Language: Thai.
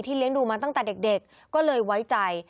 เลี้ยงดูมาตั้งแต่เด็กก็เลยไว้ใจ